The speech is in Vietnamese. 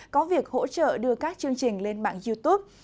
có việc hỗ trợ đưa các chương trình lên mạng youtube